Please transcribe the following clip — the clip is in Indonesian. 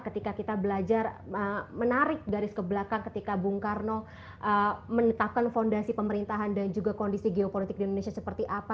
ketika kita belajar menarik garis ke belakang ketika bung karno menetapkan fondasi pemerintahan dan juga kondisi geopolitik di indonesia seperti apa